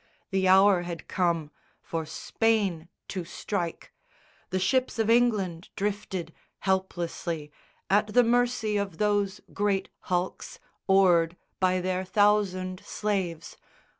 The hour had come For Spain to strike. The ships of England drifted Helplessly, at the mercy of those great hulks Oared by their thousand slaves.